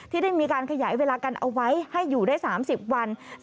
ที่ได้มีการขยายเวลากันเอาไว้ให้อยู่ได้๓๐วัน